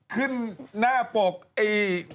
ขึ้นหน้าปลูกไอ